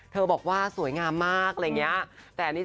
บอกว่าสวยงามมากอะไรอย่างนี้